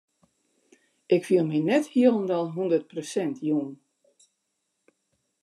Ik fiel my net hielendal hûndert persint jûn.